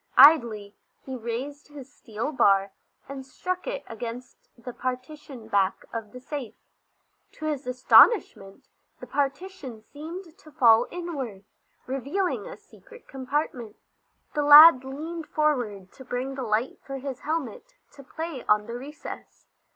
Idly he raised his steel bar, and struck it against the partition back of the safe. To his astonishment the partition seemed to fall inward, revealing a secret compartment. The lad leaned forward to bring the light for his helmet to play on the recess.